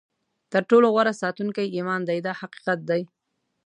تر ټولو غوره ساتونکی ایمان دی دا حقیقت دی.